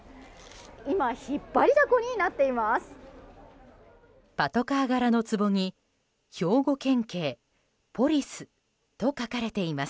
今、引っ張りだこになっています。